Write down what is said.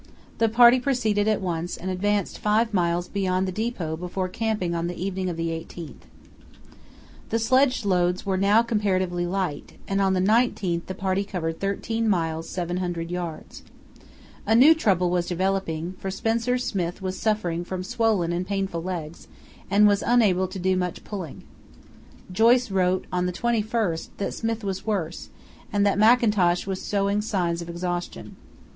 The party proceeded at once and advanced five miles beyond the depot before camping on the evening of the 18th. The sledge loads were now comparatively light, and on the 19th the party covered 13 miles 700 yds. A new trouble was developing, for Spencer Smith was suffering from swollen and painful legs, and was unable to do much pulling. Joyce wrote on the 21st that Smith was worse, and that Mackintosh was showing signs of exhaustion.